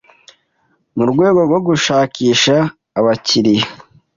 mu rwego rwo gushakisha abakiriya,